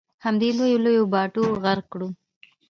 همدې لویو لویو باټو غرق کړو.